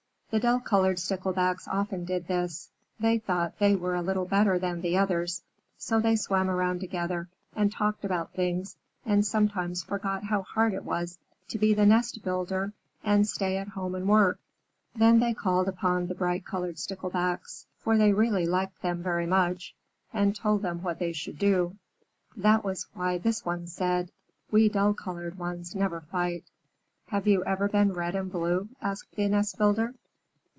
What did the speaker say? The dull colored Sticklebacks often did this. They thought that they were a little better than the others; so they swam around together and talked about things, and sometimes forgot how hard it was to be the nest builder and stay at home and work. Then they called upon the bright colored Sticklebacks, for they really liked them very much, and told them what they should do. That was why this one said, "We dull colored ones never fight." "Have you ever been red and blue?" asked the nest builder.